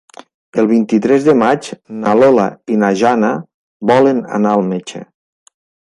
El vint-i-tres de maig na Lola i na Jana volen anar al metge.